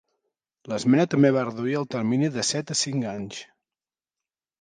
L'esmena també va reduir el termini de set a cinc anys.